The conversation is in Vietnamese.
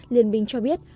liên minh cho biết